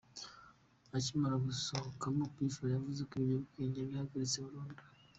Akimara gusohokamo Pfla yavuze ko ibiyobyabwenge yabihagaritse burundu.